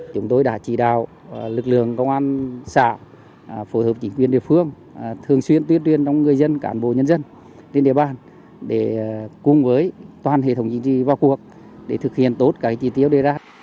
chúng tôi đã chỉ đạo lực lượng công an xã phù hợp chỉ huyện địa phương thường xuyên tuyên truyền đồng người dân cản bộ nhân dân lên địa bàn để cùng với toàn hệ thống chính trị vào cuộc để thực hiện tốt các chi tiêu đề ra